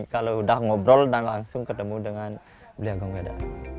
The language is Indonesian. kalau udah ngobrol dan langsung ketemu dengan beliau geng weda